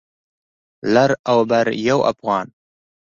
لر او لر یو افغان